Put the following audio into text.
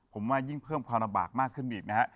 ผมว่ายิ่งเพิ่มความลำบากมากขึ้นไปอีกนะฮะ